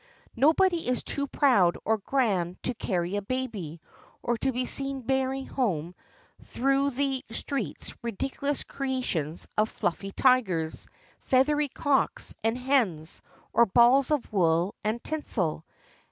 Nobody is too proud or grand to carry a baby, or to be seen bearing home through the streets ridiculous creations of fluffy tigers, feathery cocks and hens, or balls of wool and tinsel.